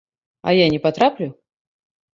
А я не патраплю?